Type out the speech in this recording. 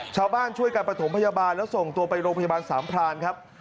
ช่วยกันประถมพยาบาลแล้วส่งตัวไปโรงพยาบาลสามพรานครับ